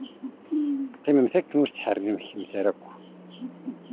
Qqimemt akken ur ttḥerrikemt ara akk.